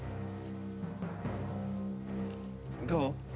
どう？